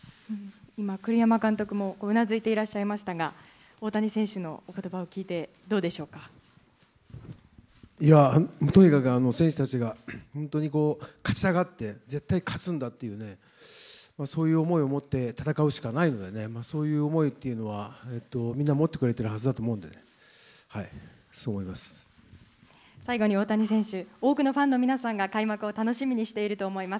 今、栗山監督もうなずいていらっしゃいましたが、大谷選手のいやー、とにかく選手たちが本当にこう、勝ちたがって、絶対勝つんだって、そういう思いを持って戦うしかないのでね、そういう思いっていうのはみんな持ってくれてるはずだと思うんで、最後に大谷選手、多くのファンの皆さんが開幕を楽しみにしていると思います。